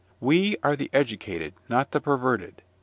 We are the educated, not the perverted.